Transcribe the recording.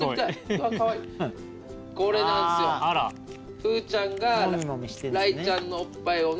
ふうちゃんがらいちゃんのおっぱいをね